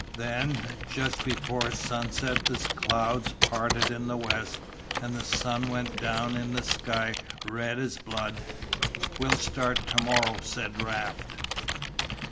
Then, just before sunset the clouds parted in the west and the sun went down in a sky red as blood. "We'll start tomorrow," said Raft.